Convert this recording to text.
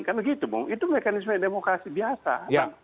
kan begitu bung itu mekanisme demokrasi biasa